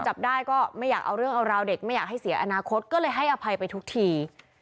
จับได้ก็ไม่อยากเอาเรื่องเอาราวเด็กไม่อยากให้เสียอนาคตก็เลยให้อภัยไปทุกที